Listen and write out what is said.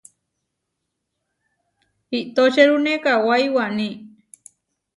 Itočerune kawái waní.